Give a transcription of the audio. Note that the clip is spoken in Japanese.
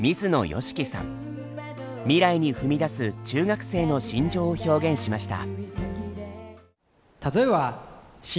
未来に踏み出す中学生の心情を表現しました。